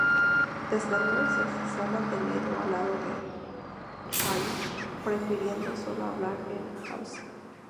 Desde entonces, se ha mantenido al lado de T'Challa, prefiriendo solo hablar en Hausa.